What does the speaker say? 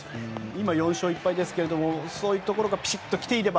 今、４勝１敗ですがそういうところがぴしっと来ていれば。